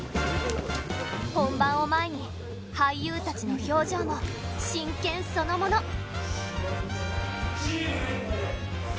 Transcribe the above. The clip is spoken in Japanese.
本番を前に俳優たちの表情も真剣そのもの。